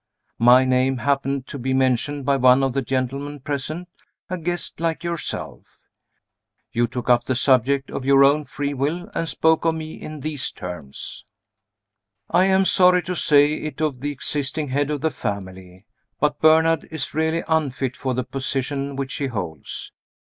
My name happened to be mentioned by one of the gentlemen present, a guest like yourself. You took up the subject of your own free will, and spoke of me in these terms: "I am sorry to say it of the existing head of the family but Bernard is really unfit for the position which he holds.